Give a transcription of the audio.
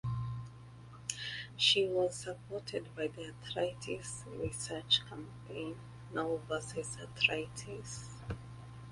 She was supported by the Arthritis Research Campaign (now Versus Arthritis).